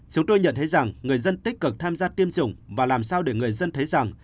chúng tôi nhận thấy rằng người dân tích cực tham gia tiêm chủng và làm sao để người dân thấy rằng